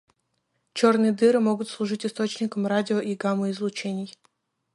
Черные дыры могут служить источником радио- и гамма-излучений.